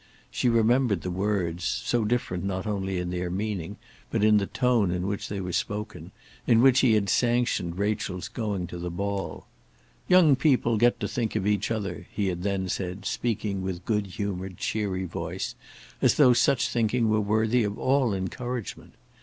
She remembered the words, so different not only in their meaning, but in the tone in which they were spoken, in which he had sanctioned Rachel's going to the ball: "Young people get to think of each other," he had then said, speaking with good humoured, cheery voice, as though such thinking were worthy of all encouragement.